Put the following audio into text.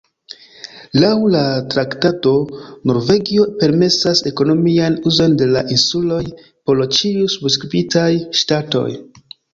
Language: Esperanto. Laŭ la traktato, Norvegio permesas ekonomian uzon de la insuloj por ĉiuj subskribitaj ŝtatoj.